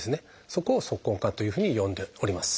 そこを「足根管」というふうに呼んでおります。